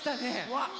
わっ！